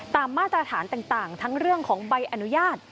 มาตรฐานต่างทั้งเรื่องของใบอนุญาต